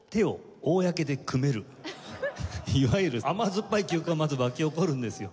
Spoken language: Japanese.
いわゆる甘酸っぱい記憶がまず湧き起こるんですよ。